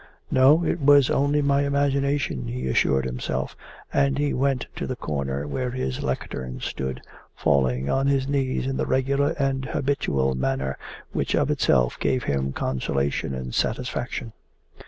'No, it was only my imagination,' he assured himself, and he went to the corner where his lectern stood, falling on his knees in the regular and habitual manner which of itself gave him consolation and satisfaction.